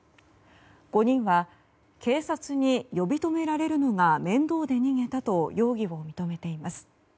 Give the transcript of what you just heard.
５人は警察に呼び止められるのが面倒で逃げたと容疑を認めています。